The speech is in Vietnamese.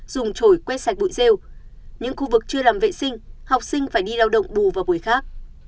dùng trổi quét sạch bụi rêu những khu vực chưa làm vệ sinh học sinh phải đi lao động bù vào buổi khác